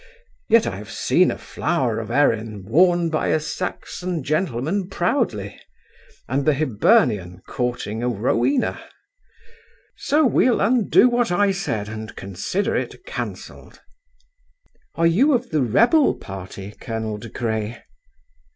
Yet I have seen a flower of Erin worn by a Saxon gentleman proudly; and the Hibernian courting a Rowena! So we'll undo what I said, and consider it cancelled." "Are you of the rebel party, Colonel De Craye?"